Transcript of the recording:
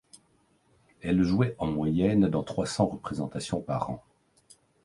Elle jouait en moyenne dans trois cents représentations par an.